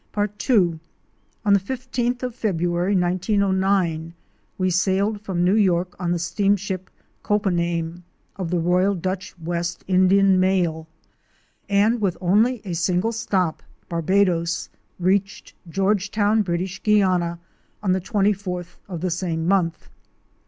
Part II. On the 15th of February, 1909, we sailed from New York on the Steamship '' Coppename "' of the Royal Dutch West Indian Mail, and with only a single stop — Barbadoes — reached Georgetown, British Guiana, on the 24th of the same month.